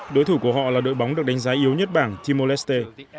đối thủ của họ là đội bóng được đánh giá yếu nhất bảng timor leste